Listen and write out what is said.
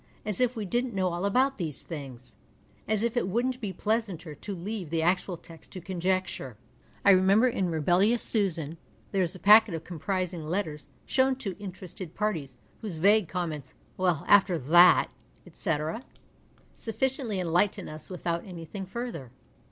As if we didn't know all about these things ! As if it wouldn't be pleasanter to leave the actual text to conjecture ! I remember in Juhellious Susan there is a packet of eom[)romising letters shown to interesleel parties, whose vague comments, " Well, after that,'' etc., 223 PASTICHE AND PREJUDICE sufficiently cnliglitcn us without anything further.